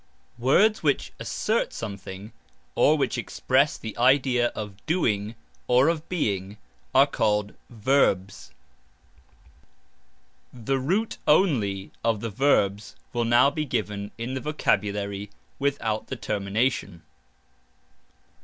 (Words which assert something, or which express the idea of doing or of being, are called VERBS). (The root only of the verbs will now be given in the Vocabulary without the termination).